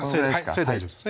それで大丈夫です